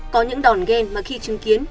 có những đòn ghen mà khi chứng kiến